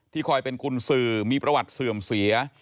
คอยเป็นกุญสือมีประวัติเสื่อมเสีย